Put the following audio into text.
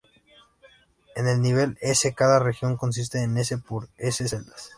En el nivel "s", cada región consiste en "s" por "s" celdas.